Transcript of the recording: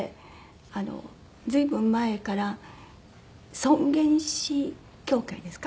あの随分前から尊厳死協会ですか？